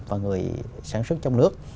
và người sản xuất trong nước